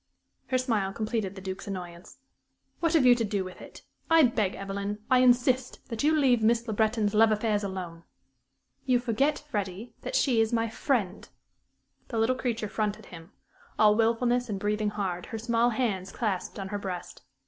Her smile completed the Duke's annoyance. "What have you to do with it? I beg, Evelyn I insist that you leave Miss Le Breton's love affairs alone." "You forget, Freddie, that she is my friend." The little creature fronted him, all wilfulness and breathing hard, her small hands clasped on her breast.